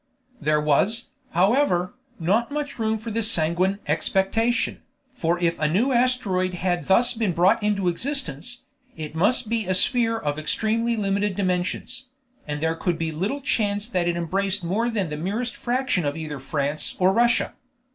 There was, however, not much room for this sanguine expectation, for if a new asteroid had thus been brought into existence, it must be a sphere of extremely limited dimensions, and there could be little chance that it embraced more than the merest fraction of either France or Russia.